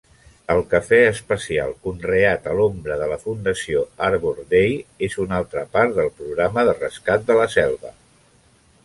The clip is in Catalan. El cafè especial conreat a l'ombra de la fundació Arbor Day és una altra part del programa de rescat de la selva.